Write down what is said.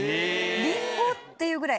リンゴっていうぐらい。